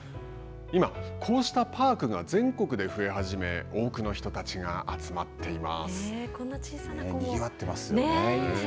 今、こうしたパークが全国で増え始め多くの人たちが集まっています。